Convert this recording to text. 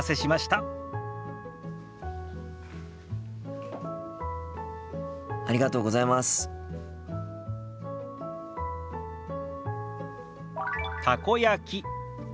「たこ焼き」。